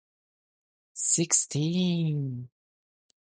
He lived in London, at Kington Langley, in Wiltshire, and Bath.